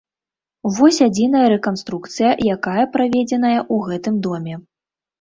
Вось адзіная рэканструкцыя, якая праведзеная ў гэтым доме.